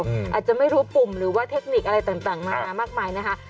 อาจจะไม่รู้ปุ่มหรือว่าเทคนิคอะไรต่างมามากมายนะคะ